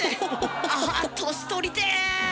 あ年取りてぇ。